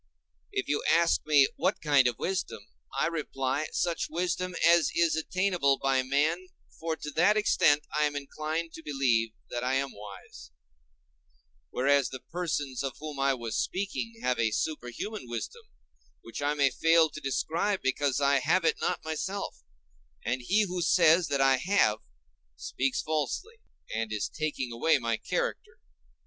If you ask me what kind of wisdom, I reply, such wisdom as is attainable by man, for to that extent I am inclined to believe that I am wise; whereas the persons of whom I was speaking have a superhuman wisdom, which I may fail to describe, because I have it not myself; and he who says that I have, speaks falsely, and is taking away my character.